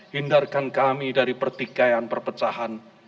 hindarkan kami dari pertikaian perpecahan